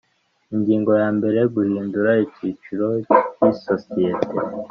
Ingingo ya mbere Guhindura icyiciro cy isosiyete